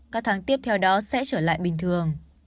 các tháng tiếp theo đó sẽ trở lại bình thường